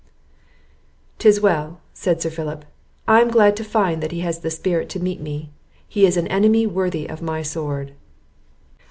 "'Tis well," said Sir Philip; "I am glad to find he has the spirit to meet me; he is an enemy worthy of my sword."